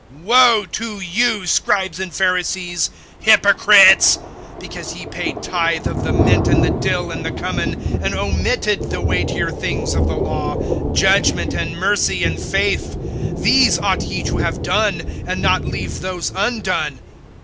(23)Woe to you, scribes and Pharisees, hypocrites! because ye pay tithe of the mint and the dill and the cumin, and omitted the weightier things of the law, judgment, and mercy, and faith; these ought ye to have done, and not leave those undone.